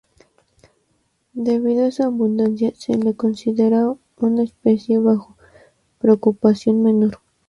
Debido a su abundancia, se le considera una especie bajo preocupación menor.